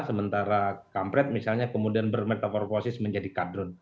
sementara kampret misalnya kemudian bermetaforposis menjadi kadrun